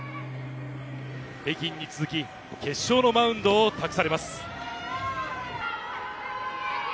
北京に続き、決勝のマウンドを託されます。